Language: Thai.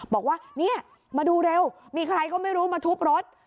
บอกว่าเนี่ยมาดูเร็วมีใครก็ไม่รู้มาทุบรถ